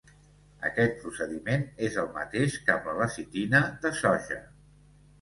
Aquest procediment és el mateix que amb la lecitina de soja.